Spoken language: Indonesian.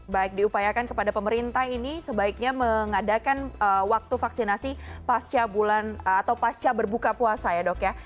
baik diupayakan kepada pemerintah ini sebaiknya mengadakan waktu vaksinasi pasca bulan atau pasca berbuka puasa ya dok ya